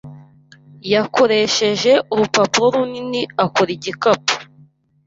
Yakoresheje urupapuro runini akora igikapu.